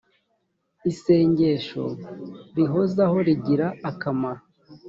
isengesho rihozaho rigira akamaro.